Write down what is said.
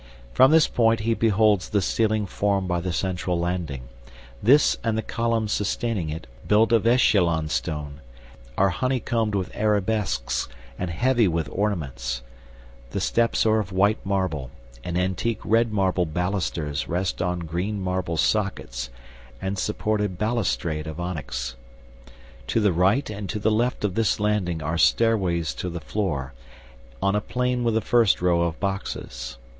From this point he beholds the ceiling formed by the central landing; this and the columns sustaining it, built of Echaillon stone, are honeycombed with arabesques and heavy with ornaments; the steps are of white marble, and antique red marble balusters rest on green marble sockets and support a balustrade of onyx. To the right and to the left of this landing are stairways to the floor, on a plane with the first row of boxes.